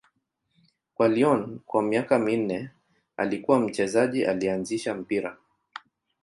Kwa Lyon kwa miaka minne, alikuwa mchezaji aliyeanzisha mpira.